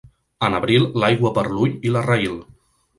En abril, l'aigua per l'ull i la raïl.